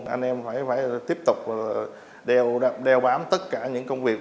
anh em phải tiếp tục đeo bám tất cả những công việc